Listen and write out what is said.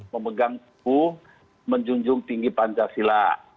memegang kubu menjunjung tinggi pancasila